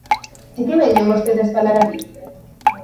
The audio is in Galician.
¿De que veñen vostedes falar aquí?